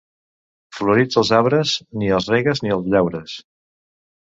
Florits els arbres, ni els regues ni els llaures.